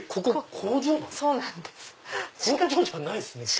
工場じゃないですねキレイ。